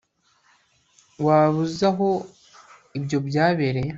waba uzi aho ibyo byabereye